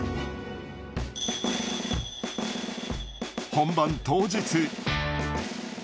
本番当日。